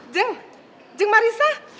jeng jeng marissa